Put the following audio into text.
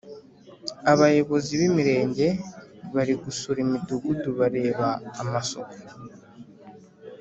Abayobozi b’imirenge bari gusura imidugudu bareba amasuku